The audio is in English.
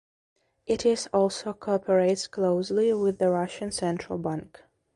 It is also cooperates closely with the Russian Central Bank.